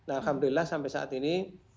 alhamdulillah sampai saat ini